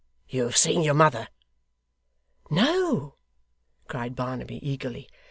'You have seen your mother!' 'No,' cried Barnaby, eagerly.